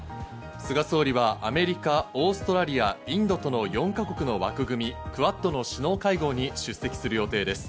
菅総理はアメリカ、オーストラリア、インドとの４か国の枠組み、クアッドの首脳会合に出席する予定です。